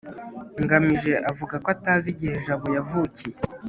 ngamije avuga ko atazi igihe jabo yavukiye